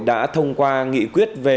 đã thông qua nghị quyết về